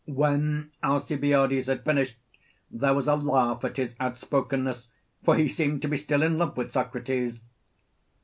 When Alcibiades had finished, there was a laugh at his outspokenness; for he seemed to be still in love with Socrates.